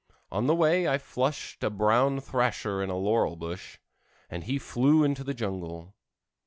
On the way I flushed a brown thrasher in a laurel bush, and he flew into the jungle.